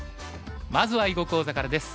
まずは囲碁講座からです。